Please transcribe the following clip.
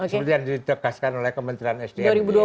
seperti yang ditegaskan oleh kementerian sdm